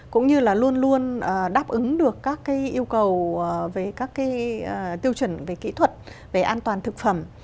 cũng như là luôn luôn đáp ứng được các yêu cầu về các tiêu chuẩn về kỹ thuật về an toàn thực phẩm